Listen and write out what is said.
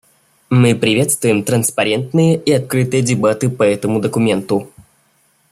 Мы приветствуем транспарентные и открытые дебаты по этому документу.